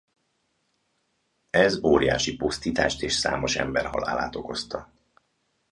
Ez óriási pusztítást és számos ember halálát okozta.